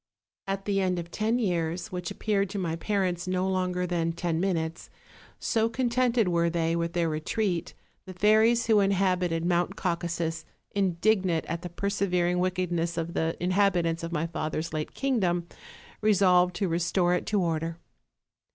At the end of ten years, which appeared to my parents no longer than ten minutes^ so contented were they with their retreat, the 300 OLD, OLD FAIRY TALES. fairies who inhabited Mount Caucasus, indignant at the persevering wickedness of the inhabitants of my father's late kingdom, resolved to restore it to order.